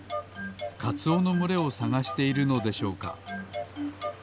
カツオのむれをさがしているのでしょうか。